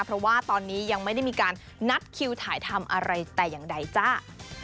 เพราะว่าตอนนี้ยังไม่ได้มีการนัดคิวถ่ายทำอะไรแต่อย่างใดจ้า